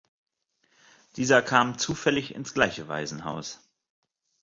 Dieser kam zufällig ins gleiche Waisenhaus.